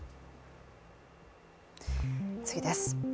次です。